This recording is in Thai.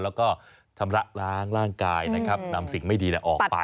แล้วก็ชำระล้างร่างกายนะครับนำสิ่งไม่ดีออกไป